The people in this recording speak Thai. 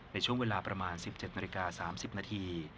ในช่วงเวลาประมาณ๑๗นาฬิกา๓๐นาที